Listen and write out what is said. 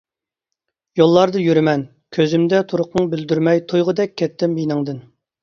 يوللاردا يۈرىمەن، كۆزۈمدە تۇرقۇڭ بىلدۈرمەي تۇيغۇدەك كەتتىم يېنىڭدىن.